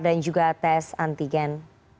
dan juga tes antigen